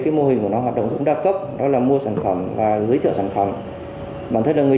cái mô hình của nó hoạt động dũng đa cấp đó là mua sản phẩm và giới thiệu sản phẩm bản thân là người